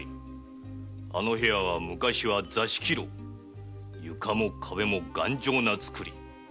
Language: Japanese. あの部屋は昔は座敷牢で床も壁も頑丈な造り。